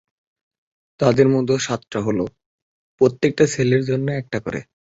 তাদের মধ্যে সাতটা হল - প্রত্যেকটা ছেলের জন্য একটা করে!